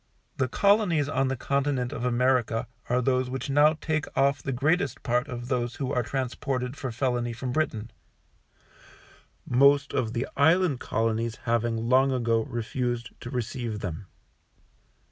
The Colonies on the Continent of America are those which now take off the greatest part of those who are transported for felony from Britain, most of the Island Colonies having long ago refused to receive them.